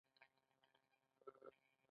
د بیان ازادي مهمه ده ځکه چې ښځو غږ قوي کوي.